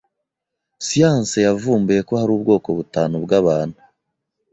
Siyanse yavumbuye ko hari ubwoko butanu bwabantu.